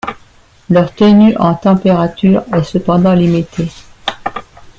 Leur tenue en température est cependant limitée.